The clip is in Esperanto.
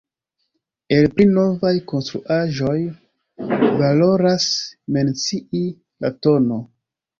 El pli novaj konstruaĵoj valoras mencii la tn.